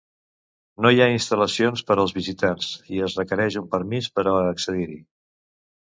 No hi ha instal·lacions per als visitants i es requereix un permís per a accedir-hi.